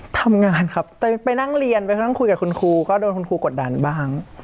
ทำงานครับแต่ไปนั่งเรียนไปนั่งคุยกับคุณครูก็โดนคุณครูกดดันบ้าง